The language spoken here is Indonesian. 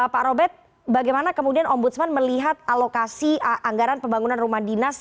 pak robert bagaimana kemudian ombudsman melihat alokasi anggaran pembangunan rumah dinas